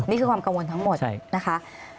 นี่คือความกังวลทั้งหมดนะคะ